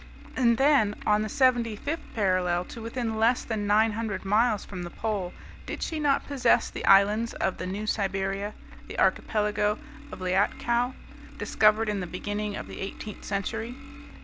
And then, on the 75th parallel to within less than nine hundred miles from the pole, did she not possess the islands of the new Siberia, the Archipelago of Liatkow, discovered in the beginning of the eighteenth century?